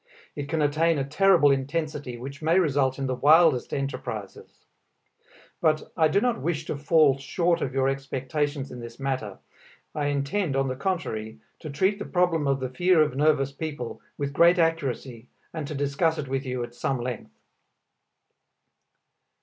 It can attain a terrible intensity which may result in the wildest enterprises. But I do not wish to fall short of your expectations in this matter. I intend, on the contrary, to treat the problem of the fear of nervous people with great accuracy and to discuss it with you at some length.